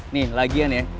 nih lagian ya